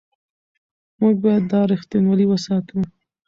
موږ باید دا رښتینولي وساتو.